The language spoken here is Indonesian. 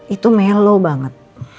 itu melo banget